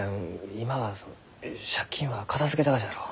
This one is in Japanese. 今は借金は片づけたがじゃろう？